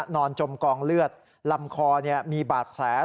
จมกองเลือดลำคอมีบาดแผล